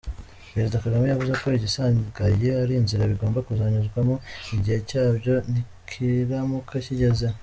Perezida Kagame yavuze ko igisigaye ari inzira bigomba kuzanyuzwamo igihe cyabyo nikiramuka kigeze.